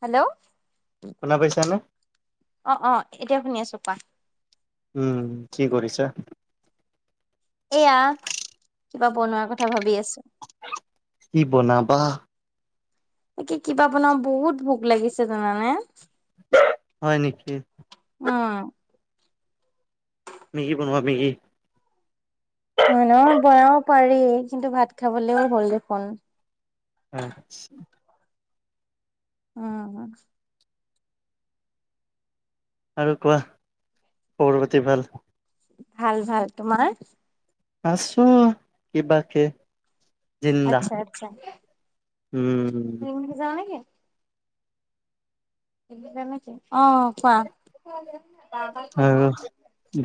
Hello. শুনা পইচা নে অ, অ, এতিয়া শুনি আছো কোৱা। উম, কি কৰিছা? এয়া কিবা বনোৱাৰ কথা ভাবি আছো। কি বনাবা? কি কিবা বনাও, বহুত ভোক লাগিছে জানানে। হয় নেকি? আ মেগি বনোৱা মেগি। হয় নহ বনাব পাৰি কিন্তু ভাত খাবলৈও হ'ল দেখোন। আছ উম আৰু কোৱা খবৰ পাতি ভাল? ভাল-ভাল তোমাৰ? আছো কিবাকে জিন্দা। আচ্ছা আচ্ছা উম। যাও নেকি? নেকি, অঁ কোৱা। আৰু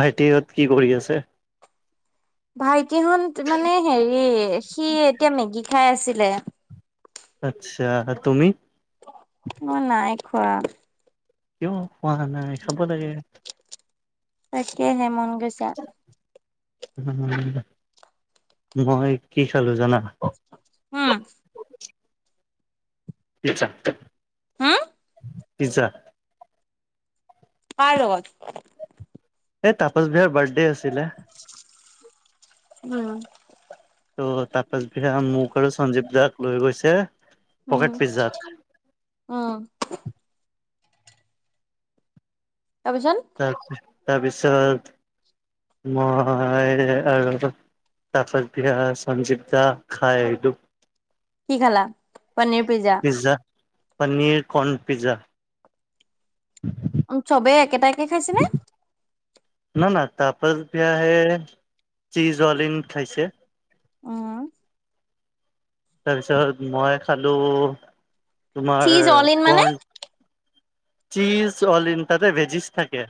ভাইটিহঁত কি কৰি আছে? ভাইটিহঁত মানে হেৰি সি এতিয়া মেগী খাই আছিলে। আচ্ছা, তুমি? মই নাই খোৱা। কিয় খোৱা নাই খাব লাগে। তাকেহে মন গৈছে। মই কি খালো জানা? অ। আচ্ছা হম পিজ্জা কাৰ লগত এই তাপচ বিহাৰৰ বাৰ্থডে আছিলে। উম। ত' তাৰ পাছদিনা মোক আৰু সঞ্জীৱ দাক লৈ গৈছে পকেট পিজ্জাত। অ। তাৰপিছত? তাৰ তাৰপিছত মই আৰু তাৰপিছত পিয়া সঞ্জীৱ দা খাই এইটো', কি খালা, paneer pizza? Pizza, paneer corn pizza', উম', চবেই একেটাকেই খাইছে নে? না', - না', তাৰপাছত পিয়া হে, চীজ অল-ইন খাইছে', উম', তাৰপিছত মই খালোঁ তোমাৰ চীজ অল ইন মানে? কৰ্ণ', চীজ অল-ইন, তাতে ভেজিছ থাকে',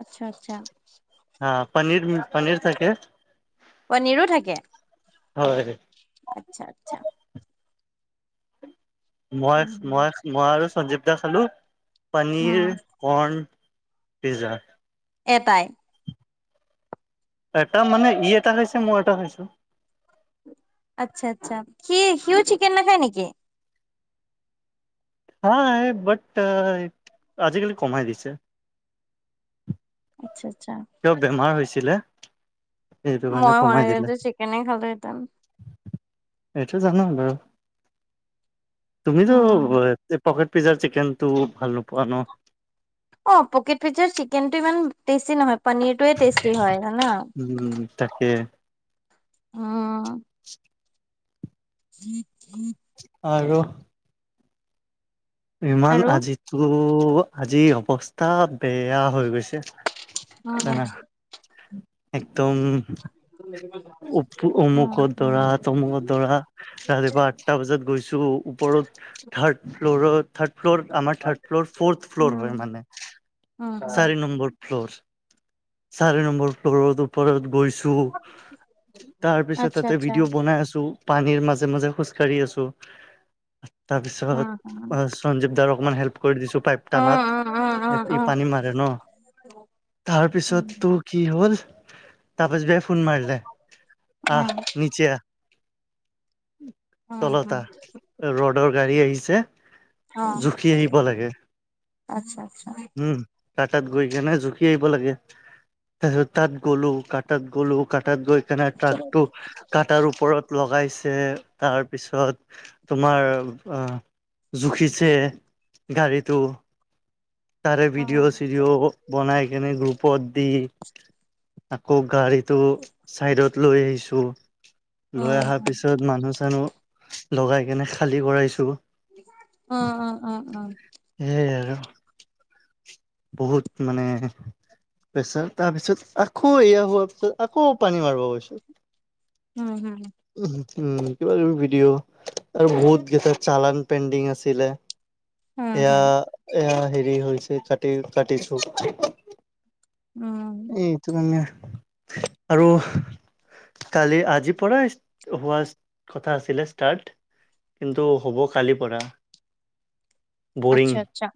আচ্ছা', - আচ্ছা', হা, পনীৰ হুম', পনীৰ থাকে', পনীৰো থাকে? হয়', আচ্ছা', - আচ্ছা', মই', - উম, মই', - মই আৰু সঞ্জীৱ দা খালোঁ পনীৰ', কৰ্ণ পিজ্জা', এটাই? এটা মানে, ই এটা খাইছে মই এটা খাইছোঁ', আচ্ছা', - আচ্ছা', সি - সিউও চিকেন নাখায় নেকি? খাই বাট আহ', আজিকালি কমাই দিছে', আচ্ছা', - আচ্ছা', তেওঁৰ বেমাৰ হৈছিলে', সেইটো কাৰণে মই হোৱা কমাই হ'লে দিলে যে চিকেনে খালোহেঁতেন', এইটো জানোঁ বাৰু, তুমিতো উম। অহ', পকেট পিজ্জাৰ চিকেনটো ভাল নোপোৱা ন? অ', পকেট পিজ্জাৰ চিকেনটো ইমান টেষ্টি নহয় পনীৰটোয়ে টেষ্টি হয় জানোঁ', উম', তাকে', অহ', [unintelligible] উম', - উম', আৰু', ইমান আৰু? আজিতো, আজি অৱস্থা বেয়া হৈ গৈছে', উম, জানা, উম', একদম', গুৰু লেকেপাম', উপটো অমুকত দৰাত', তমুকত দৰা, ৰাতিপুৱা আঠটা বজাত গৈছোঁ, ওপৰত থাৰ্ড ফ্লু'ৰত', থাৰ্ড ফ্লু'ৰ, আমাৰ থাৰ্ড ফ্লু'ৰ, ফৰ্থ ফ্লু'ৰ হয় উম, মানে, উম। চাৰি নম্বৰ', ফ্লু'ৰছ, চাৰি নম্বৰ ফ্লু'ৰত ওপৰত গৈছোঁ', তাৰপিছত আচ্ছা তাতে আচ্ছা। ভিডিঅ' বনাই আছোঁ, পানীৰ মাজে - মাজে খোজকাঢ়ি আছোঁ', তাৰপিছত উম, উম। আহ', সঞ্জীৱ দাৰক অকমান হেল্প কৰি দিছোঁ পাইপ উম, টানাত', উম, উম, উম, এই', পি', ই উম। পানী মাৰে ন, তাৰপিছত অ', তোক', কি হ'ল, তাপস ভাইয়া ফোন মাৰিলে', আহ', নিচে আহ', অ', তলত আহ', ৰোডৰ গাড়ী আহিছে', জুখি আহিব লাগে', আচ্ছা আচ্ছা। উম', তাত', -তাত গৈ কিনে জুখি আহিব লাগে', তাৰপিছত তাত গ'লো কাতত গ'লো কটাত গৈকেনে ট্ৰাকটো কাটাৰ ওপৰত লগাইছে তাৰপিছত তোমাৰ অ জুখিছে গাড়ীটো তাৰে ভিডিঅ' উম, চিডিঅ' বনাই কিনে গ্ৰুপত দি আকৌ গাড়ীত টো চাইডত লৈ আহিছো লৈ উম, অহাৰ পিছত মানুহ চানুহ লগাই কেনে খালী কৰাইছো অ অ অ অহ সেই আৰু বহুত মানে প্ৰেছাৰ তাৰ পিছত আকৌ এয়া হোৱাৰ পিছত আকৌ পানী মাৰিব গৈছোঁ উম হুম উ উম কিবা কিবি ভিডিঅ' আৰু বহুত কেইটা চালান পেণ্ডিং আছিলে হুম, এয়া হুম, এয়া হেৰি হৈছে কাটি কাটিছো উম উম এইটো কাৰণে আৰু কালি আজিৰ পৰাই হোৱা কথা আছিলে ষ্টাৰ্ট কিন্তু হ'ব কালিৰ পৰা বৰিং আচ্ছা আচ্ছা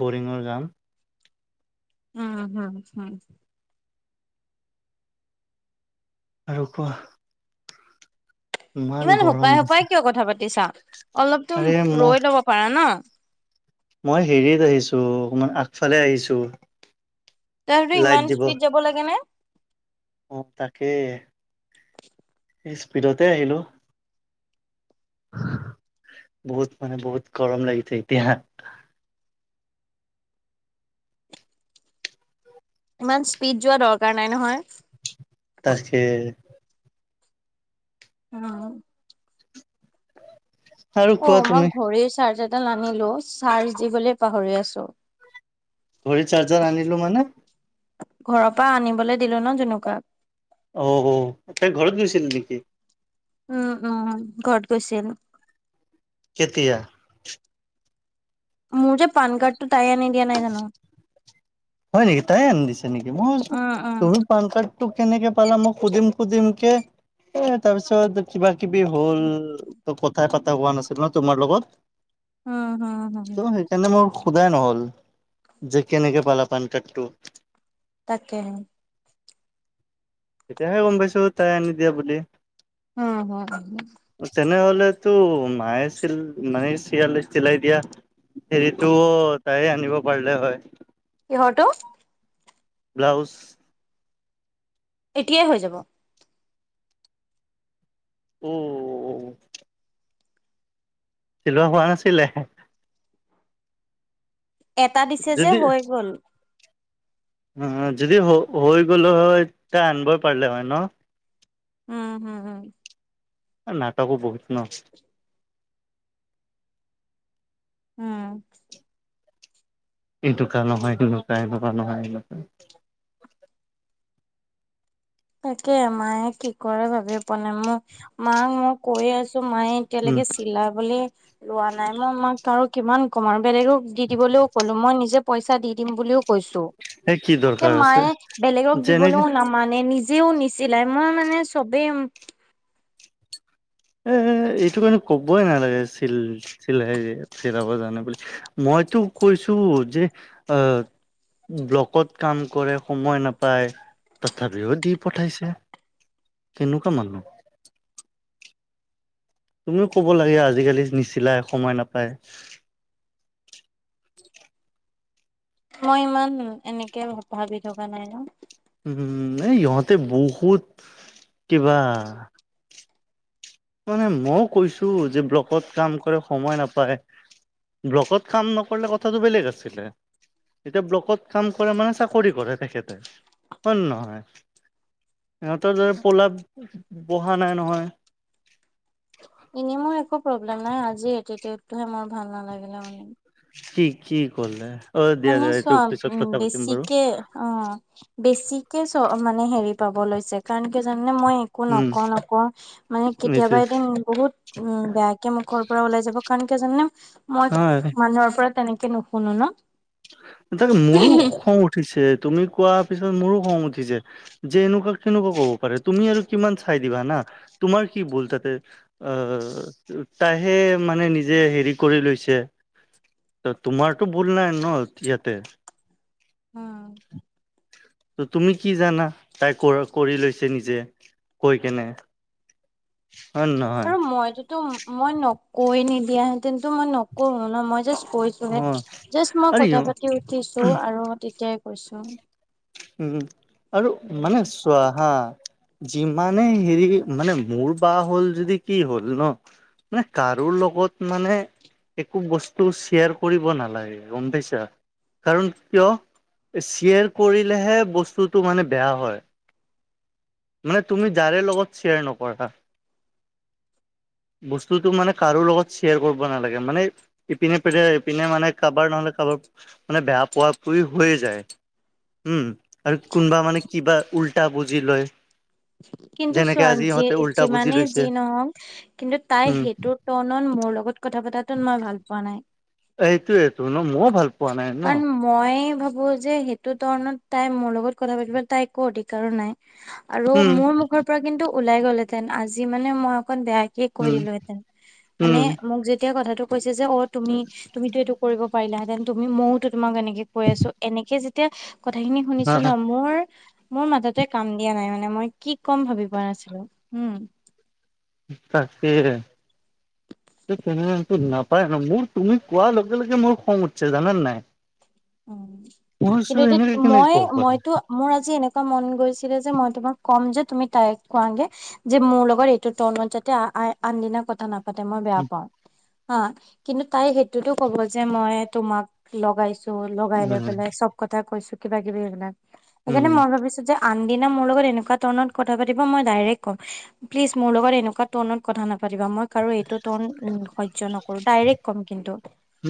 বৰিঙৰ কাম উম হম হম আৰু কোৱা ইমান গৰম সোপাই দিছে সোপাই কিয় কথা পাতি চা অলপতো আৰে মই ৰৈ লব পাৰা ন মই হেৰিত আহিছো অকমান আগফালে আহিছো তাৰপিছত লাইট ইমান দিব স্পীড যাব লাগে নে অ তাকে স্পীডতে আহিলো বহুত মানে বহুত গৰম লাগিছে এতিয়া ইমান স্পীড যোৱা দৰকাৰ নাই নহয় তাকে অ [unintelligible] অ তুমি মই ঘড়ীৰ চাৰ্জডাল আনিলো চাৰ্জ দিবলে পাহৰি আছো ঘড়ী চাৰ্জাৰ আনিলো মানে ঘৰৰ পৰা আনিবলে দিলো ন জুনুকা অ তাই ঘৰত গৈছিল নেকি উম উম ঘৰত গৈছিল কেতিয়া মোৰ যে পান কাৰ্ডটো তাই আনি দিয়া নাই জানো হয় নেকি তাই আনি দিছে নেকি মই অ ভাবিছোঁ অ তোৰ পান কাৰ্ড টো কেনেকে পালা মই সুধিম সুধিম কে এ তাৰ পিছত কিবা কিবি হ'ল ত কথা পতা হোৱা নাছিল ন তোমাৰ লগত উম হু হু এনে মোৰ সোধাই নহল যে কেনেকে পালা পান কাৰ্ডটো তাকেহে তেতিয়াহে গম পাইছো তাই আনি দিয়া বুলি উম হু তেনেহলেতো মায়ে চিল মায়ে চিলাই দিয়া হেৰিটো তাইয়ে আনিব পাৰিলে হয়। কিহঁত অ? ব্লাউজ। এতিয়াই হৈ যাব। উম! চিলোৱা হোৱা নাছিলে? এটা দিছে যে হৈ গ'ল। উ, যদি হৈ গ'ল হয় তেতিয়া আনিবই পাৰিলে হয় ন? উম, উম! এ, নাটকো বহুত ন। উম! [unintelligible] এনেকুৱা নহয় এনেকুৱা। তাকে মায়ে কি কৰে ভাবিয়ে পোৱা নাই! মোক মাক মই কৈয়ে আছো। টো মায়ে উম এতিয়ালেকে চিলাবলে লোৱা নাই মই মাক আৰু কিমান কম আৰু বেলেগক দি দিবলৈও ক'লো মই নিজে পইচা দি দিম বুলিও কৈছো, এই কি যে দৰকাৰ আছে মায়ে বেলেগক যেনেকে দিবলৈও নাম মানে নিজেও নিচিলাই! মই মানে চবেই এ এইটো কাৰণে কবই নালাগে চিল চিলাই চিলাব জানো বুলি। মই তোক কৈছো! যে অ ব্লকত কাম কৰে, সময় নাপায় তথাপিও দি পঠাইছে। কেনেকুৱা মানুহ। তুমিও ক'ব লাগে আজিকালি নিচিলাই, সময় নাপায়। মই, ইমান এনেকে ভাবি থকা নাই ন! উম, এই ইহঁতে বহুত কিবা মানে মইও কৈছো যে ব্লকত কাম কৰে, সময় নাপায়। ব্লকত কাম নকৰলে, কথাটো বেলেগ আছিলে। এতিয়া, ব্লকত কাম কৰে মানে চাকৰি কৰে তেখেতে হয়নে নহয়? সিহঁতৰ যদি পলাপ বহা নাই নহয়। এনেই মই একো প্ৰব্লেম নাই! আজিৰ এটিটিউডটোহে মোৰ ভাল নালাগিলে মানে। কি, কি কৰলে? অ দিয়া মানে দিয়া চোৱা এইটোৰ পিছত উম কথা পাতিম বাৰু। বেছিকে অ, বেছিকে চ মানে হেৰি পাব লৈছে! কাৰণ কি জানানে মই একো উম নকওঁ নকওঁ! মানে, কেতিয়াবা নিশ্চয় এদিন বহুত উম বেয়াকে মুখৰ পৰা ওলাই যাব। কাৰণ কিয় জাননে? মই হয় মানুহৰ পৰা তেনেকে নুশুনো ন। তাকে, মোৰো খং উঠিছে! তুমি কোৱা পিছত মোৰো খং উঠিছে। যে এনেকুৱা, কেনেকুৱা ক'ব পাৰে তুমি আৰু কিমান চাই দিবা না তোমাৰ কি ভুল তাতে। আহ, তাইহে মানে নিজে হেৰি কৰি লৈছে। ত, তোমাৰটো ভুল নাই ন ইয়াতে। উম। ত, তুমি কি জানা! তাই কৰি লৈছে নিজে কৈ কেনে। হয় নে নহয় আৰু মইতোটো মই কৈ নিদিয়া হেতেনটো মই নকও ন! মই জাষ্ট অ কৈছো জাষ্ট মই আৰু কথা পাতি উঠিছো, আৰু তেতিয়াই কৈছো। উম! আৰু মানে চোৱা হা যিমানে হেৰি মানে, মোৰ বা হ'ল যদি কি হ'ল ন। মানে কাৰো লগত মানে একো বস্তু শ্বেয়াৰ কৰিব নালাগে গমপাইছা। কাৰণ কিয় শ্বেয়াৰ কৰিলেহে বস্তুটো মানে বেয়া হয়। মানে তুমি যাৰে লগত শ্বেয়াৰ নকৰা। বস্তুটো মানে কাৰো লগত শ্বেয়াৰ কৰিব নালাগে মানে - ইপিনে পিনে ইপিনে মানে কাৰোবাৰ নহ'লে কাৰোবাৰ মানে বেয়া পোৱা পুৰি হৈয়ে যায়। উম আৰু কোনোবা মানে কিবা উল্টা বুজি লয়। কিন্তু যেনেকে চোৱা আজি যি ইহঁতে উল্টা বুজি যিমানেই লৈছে যি নহওক কিন্তু তাই উম সেইটো নত মোৰ লগত কথা পাতাতো মই ভাল পোৱা নাই এইটোয়েটো ন মইয়ো ভাল পা কাৰণ মই ভাবো যে সেইটো ধৰনত তাই মোৰ লগত কথা পাতিব তাই একো অধিকাৰো নাই আৰু উম মোৰ মুখৰ পৰা কিন্তু ওলাই গ'লহেতেন আজি মানে মই অকন বেয়াই ঠিক কৈ উম দিলো হেতেন মানে উম মোক যেতিয়া কথাটো কৈছে যে অ তুমি তুমিতটো এইটো কৰিব পাৰিলাহেতেন তুমি মইয়ওতো তোমাক এনেকে কৈ আছো এনেকে যেতিয়া কথাখিনি হা শুনিছোঁ ন মোৰ মোৰ মাজতে কাম দিয়া নাই মানে মই কি ক'ম ভাবি পোৱা নাছিলো উম তাকে থেত তেনে নাপায় ন মোৰ তুমি কোৱাৰ লগে লগে মোৰ খং উঠিছে জানানে নাই। উ মই ভাবিছো কিন্তু এতিয়া এনেকে কেনেকে মই ক'ব পাৰি মইতো মোৰ আজি এনেকুৱা মন গৈছিলে যে মই তোমাক ক'ম যে তুমি তাইক কোৱাগে যে মোৰ লগত এইটো ধৰনত যাতে আনদিনা কথা নাপাতে মই বেয়া পাওঁ হা কিন্তু তাই সেইটোতো ক'ব যে মই তোমাক লগাইছো লগাই লৈ উম পেলাই চ কথা কৈছো কিবা কিবি সেইবিলাক সেইকাৰণে উম মই ভাবিছোঁ যে - আনদিনা মোৰ লগত এনেকুৱা ধৰণত কথা পাতিব মই ডাইৰেক্ট কম প্লিজ মোৰ লগত এনেকুৱা ধৰণত কথা নাপাতিবা মই কাৰো এইটো ধৰণত সহ্য নকৰো ডাইৰেক্ট কম কিন্তু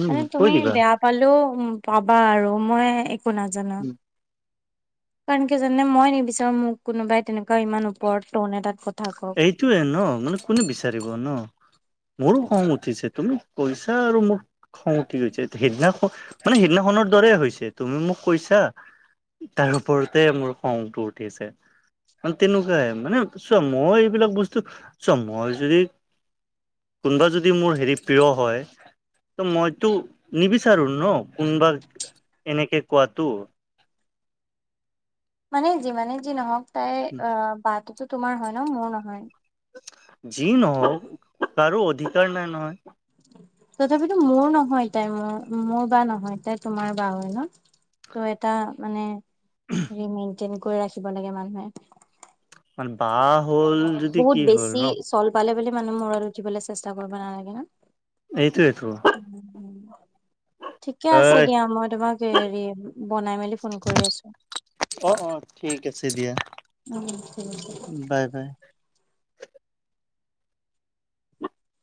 উম কৈ তুমি দিবা বেয়া পালেও পাবা আৰু মই একো নাজানো কাৰণ কি জানে মই নিবিচাৰো মোক কোনোবাই তেনেকুৱা ইমান ওপৰত ধৰণে তাত ক এইটোয়ে ন মানে কোনে বিচাৰিব ন মোৰো খং উঠিছে তুমি কৈছা আৰু মোৰ খং উঠি গৈছে সেইদিনাখন মানে সিদিনাখনৰ দৰে হৈছে তুমি মোক কৈছা তাৰ ওপৰতে মোৰ খংটো উঠিছে মানে তেনেকুৱাই মানে চোৱা মই এইবিলাক বস্তু চোৱা মই যদি কোনোবা যদি মোৰ হেৰি প্ৰিয় হয় ত মইতো নিবিচাৰো ন কোনোবাক এনেকে কোৱাটো। মানে যিমানে যি নহওক তাই অ বাততো তোমাৰ হয় ন মোৰ নহয় যি নহওক কাৰো অধিকাৰ নাই নহয় তথাপিতো মোৰ নহয় তাই মোৰ মোৰ বা নহয় তাই তোমাৰ বা হয় ন, ত' এটা মানে হেৰি মেইনটেইন কৰি ৰাখিব লাগে মানুহে মানে বা হ'ল যদি বহুত কি হ'ল বেছি ন চল্ পালে বুলি মানুহ মূৰত উঠিবলৈ চেষ্টা কৰিব নালাগে ন এইটোৱেই টো ঠিকে আছে হয় দিয়া মই তোমাক হেৰি বনাই মেলি ফোন কৰি আছোঁ। অ অ ঠিক আছে দিয়া উম, ঠিক আছে। Bye bye.